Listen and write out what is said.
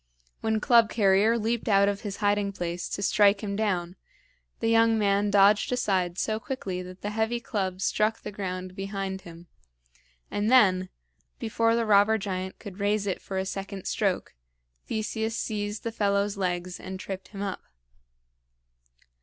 When Club carrier leaped out of his hiding place to strike him down, the young man dodged aside so quickly that the heavy club struck the ground behind him; and then, before the robber giant could raise it for a second stroke, Theseus seized the fellow's legs and tripped him up.